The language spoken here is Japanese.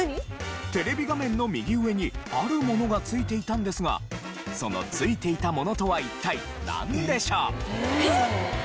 テレビ画面の右上にあるものがついていたんですがそのついていたものとは一体なんでしょう？